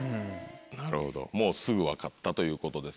なるほどもうすぐ分かったということですか。